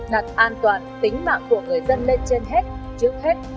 đặt an toàn tính mạng của người dân lên trên hết trước hết